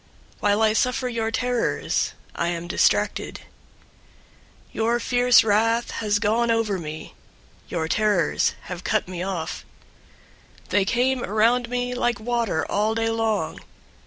While I suffer your terrors, I am distracted. 088:016 Your fierce wrath has gone over me. Your terrors have cut me off. 088:017 They came around me like water all day long.